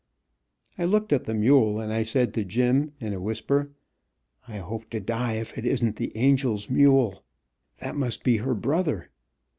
I looked at the mule, and I said to Jim, in a whisper, "I hope to die if it isn't the angel's mule. That must be her brother."